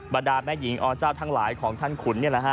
ดาแม่หญิงอเจ้าทั้งหลายของท่านขุน